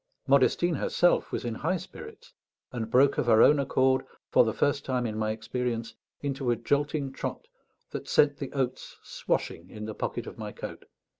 Modestine herself was in high spirits, and broke of her own accord, for the first time in my experience, into a jolting trot that sent the oats swashing in the pocket of my coat.